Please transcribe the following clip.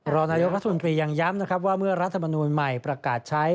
รนพยังย้ำว่าเมื่อรัฐมนูนใหม่ประกาศใช้